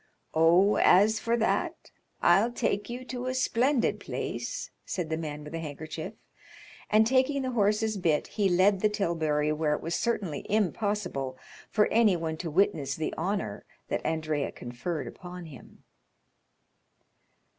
"Oh, as for that, I'll take you to a splendid place," said the man with the handkerchief; and taking the horse's bit he led the tilbury where it was certainly impossible for anyone to witness the honor that Andrea conferred upon him.